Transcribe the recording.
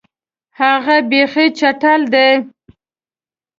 هغه بیخي چټل دی.